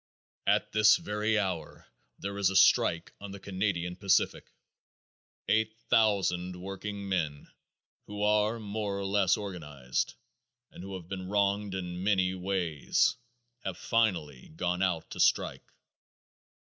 At this very hour there is a strike on the Canadian Pacific. Eight thousand workingmen who are more or less organized and who have been wronged in many ways, have finally gone out on strike.